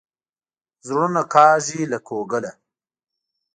زړونه کاږي له کوګله.